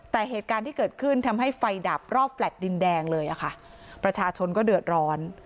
แต่เหตุการณ์ที่เกิดขึ้นทำให้ไฟดับรอบแฟลต์ดินแดงเลยอะค่ะประชาชนก็เดือดร้อน